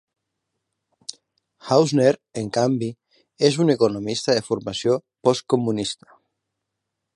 Hausner, en canvi, és un economista de formació postcomunista.